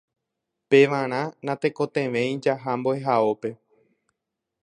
Pevarã natekotevẽi jaha mbo'ehaópe